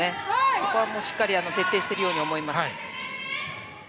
ここはしっかりと徹底しているように思います。